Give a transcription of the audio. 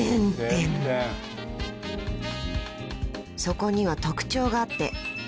［そこには特徴があって］